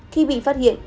khi bị phát hiện